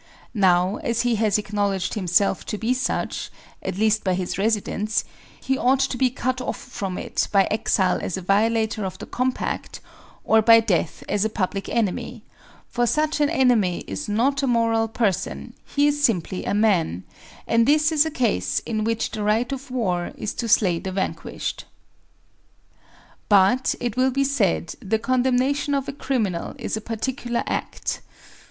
Now, as he has acknowledged himself to be such, at least by his resi dence, he ought to be cut off from it by exile as a vio lator of the compact, or by death as a public enemy; for such an enemy is not a moral person, he is simply a man; and this is a case in which the right of war is to slay the vanquished. But, it will be said, the condemnation of a criminal is a particular act.